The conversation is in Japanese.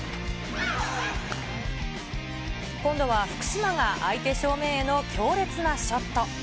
今度は福島が相手正面への強烈なショット。